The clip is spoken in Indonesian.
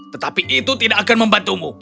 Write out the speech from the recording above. tetapi itu tidak akan membantumu